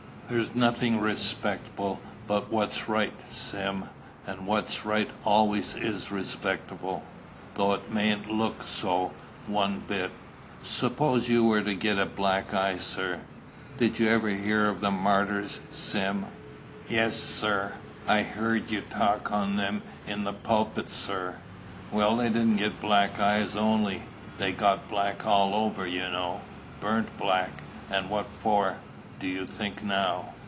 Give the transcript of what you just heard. "There's nothing respectable but what's right, Sim; and what's right always is respectable, though it mayn't look so one bit." "Suppose you was to get a black eye, sir?" "Did you ever hear of the martyrs, Sim?" "Yes, sir. I've heerd you talk on 'em in the pulpit, sir." "Well, they didn't get black eyes only, they got black all over, you know, burnt black; and what for, do you think, now?"